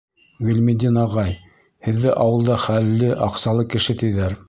— Ғилметдин ағай, һеҙҙе ауылда хәлле, аҡсалы кеше, тиҙәр.